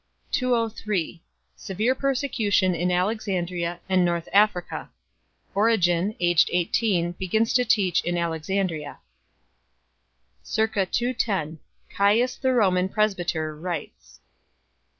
203 Severe persecution in Alexandria and North Africa. Origen (aged 18) begins to teach in Alexandria, c. 210 Caius the Roman presbyter writes, c.